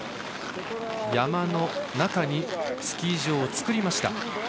山の中にスキー場を作りました。